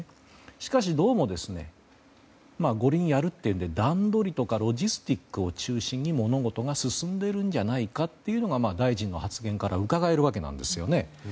しかし、どうも五輪をやると段取りやロジスティックを中心に物事を進んでいるんじゃないかというのが大臣の発言からうかがえるわけですよね。